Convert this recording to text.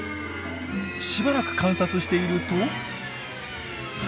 しばらく観察していると。